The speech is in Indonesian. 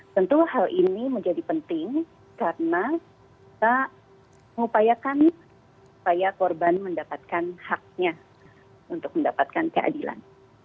tentu hal ini menjadi penting karena kita mengupayakan supaya korban mendapatkan haknya untuk mendapatkan keadilan